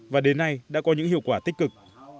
và đến nay đã có những hiệu quả tích cực